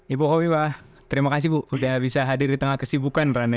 ibu hovifa terima kasih bu udah bisa hadir di tengah kesibukan rane